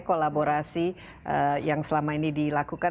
kolaborasi yang selama ini dilakukan